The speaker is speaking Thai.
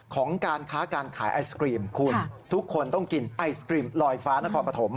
ของการค้าการขายไอศกรีมคุณทุกคนต้องกินไอศกรีมลอยฟ้านครปฐม